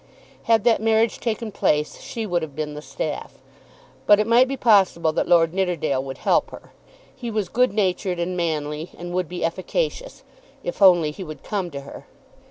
Had that marriage taken place, she would have been the staff. But it might be possible that Lord Nidderdale would help her. He was good natured and manly, and would be efficacious, if only he would come to her.